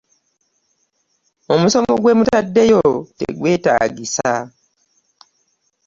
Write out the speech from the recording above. Omusomo gwe mutaddeyo tegwetaagisa.